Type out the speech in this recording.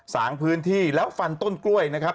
สางพื้นที่แล้วฟันต้นกล้วยนะครับ